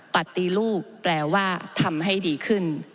ปฏิรูปแปลว่าทำให้ดีขึ้น